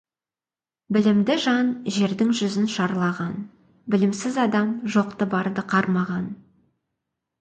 Білімді жан жердің жүзін шарлаған, білімсіз адам жоқты-барды қармаған.